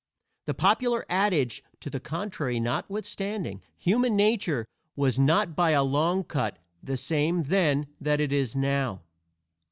The popular adage to the contrary notwithstanding, human nature was not by a long cut the same then that it is now.